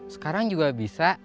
sekarang juga bisa